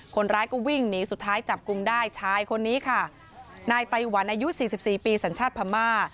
คนร้ายก็วิ่งหนีสุดท้ายจับกลุ่มได้ชายคนนี้ค่ะนายไตหวันอายุ๔๔ปีสัญชาติพม่า